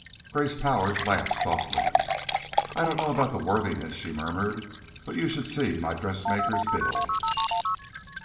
Grace Powers laughed softly. "I don't know about the worthiness," she murmured, "but you should see my dressmaker's bill!"